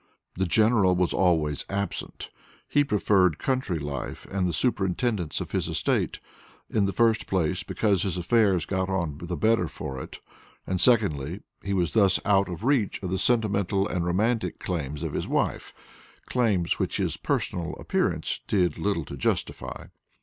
The general was always absent; he preferred country life and the superintendence of his estate, in the first place because his affairs got on the better for it, and secondly he was thus out of reach of the sentimental and romantic claims of his wife, claims which his personal appearance did little to justify.